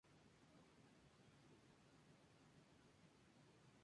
Su puesto natural en la cancha era el de alero.